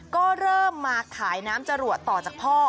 ก็เริ่มมาขายน้ำจรวดต่อจากพ่อ